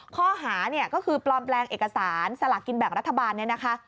ข้อหาเนี่ยก็คือปลอมแปลงเอกสารสลากกินแบ่งรัฐบาลเนี่ยนะคะ